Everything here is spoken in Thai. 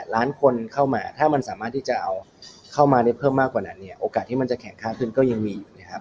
ล้านคนเข้ามาถ้ามันสามารถที่จะเอาเข้ามาได้เพิ่มมากกว่านั้นเนี่ยโอกาสที่มันจะแข็งค่าขึ้นก็ยังมีอยู่นะครับ